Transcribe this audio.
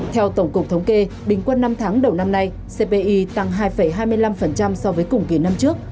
theo tổng cục thống kê bình quân năm tháng đầu năm nay cpi tăng hai hai mươi năm so với cùng kỳ năm trước